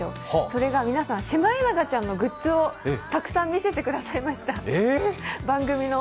それが皆さん、シマエナガちゃんのグッズをたくさん見せてくださいました、番組の。